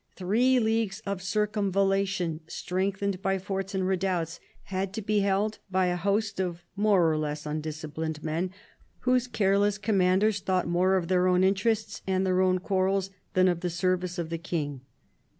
Three leagues of circumvallation, strengthened by forts and redoubts, had to be held by a host of more or less undisciplined men, whose careless com manders thought more of their own interests and their own quarrels than of the service of the King.